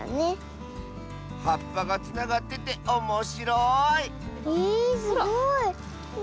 はっぱがつながってておもしろいえすごい。